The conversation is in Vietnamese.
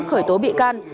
khởi tố bị can